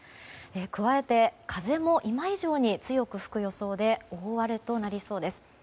加えて、風も今以上に強く吹く予想で大荒れとなりそうです。